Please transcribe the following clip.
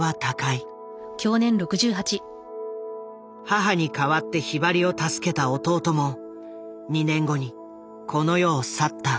母に代わってひばりを助けた弟も２年後にこの世を去った。